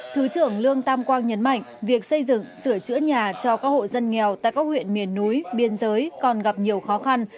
thứ trưởng lương tam quang nhấn mạnh việc xây dựng sửa chữa nhà cho các hộ dân nghèo tại các huyện miền núi biên giới còn gặp nhiều khó khăn